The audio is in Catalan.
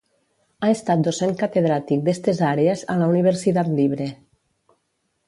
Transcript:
Ha estat docent catedràtic d'estes àrees a la Universidad Libre.